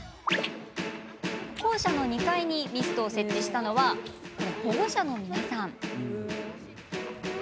校舎の２階にミストを設置したのは保護者の皆さん。